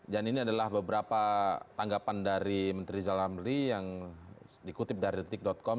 dan ini adalah beberapa tanggapan dari menteri rizal ramli yang dikutip dari detik com